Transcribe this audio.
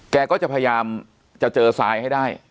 แกก็จะพยายามจะเจอซ้ายให้ได้